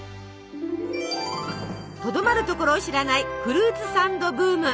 とどまるところを知らないフルーツサンドブーム！